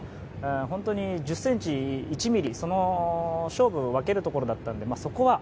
本当に１０ｃｍ、１ｍｍその勝負を分けるところだったのでそこはね。